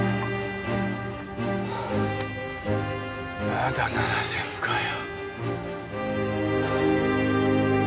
まだ７０００かよ。